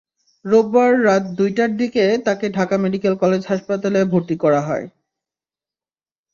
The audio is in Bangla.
রোববার রাত দুইটার দিকে তাঁকে ঢাকা মেডিকেল কলেজ হাসপাতালে ভর্তি করা হয়।